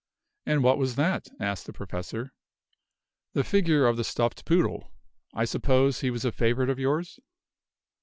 "And what was that?" asked the Professor. "The figure of the stuffed poodle. I suppose he was a favorite of yours?"